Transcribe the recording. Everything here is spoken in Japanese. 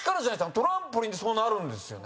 トランポリンってそうなるんですよね。